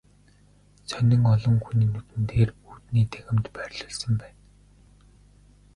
Сонин олон хүний нүдэн дээр үүдний танхимд байрлуулсан байна.